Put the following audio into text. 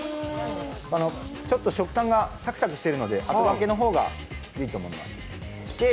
ちょっと食感がサクサクしてるので後がけの方がいいと思います。